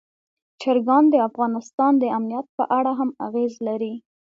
چرګان د افغانستان د امنیت په اړه هم اغېز لري.